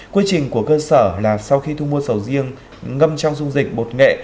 quy trình của cơ sở là sau khi thu mua sầu riêng ngâm trong dung dịch bột nghệ